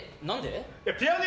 ピアノ？